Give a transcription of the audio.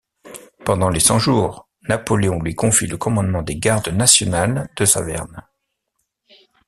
Pendant les Cent-jours, Napoléon lui confie le commandement des gardes nationales de Saverne.